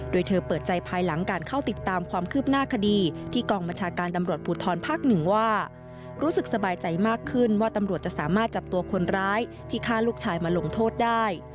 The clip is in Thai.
โดยเธอเปิดใจภายหลังการเข้าติดตามความคืบหน้าคดีที่กองบัญชาการตำรวจภูทรภาคหนึ่งว่ารู้สึกสบายใจมากขึ้นว่าตำรวจจะสามารถจับตัวคนร้ายที่ฆ่าลูกชายมาลงโทษได้